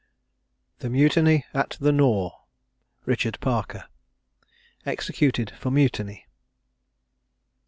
THE MUTINY AT THE NORE. RICHARD PARKER. EXECUTED FOR MUTINY.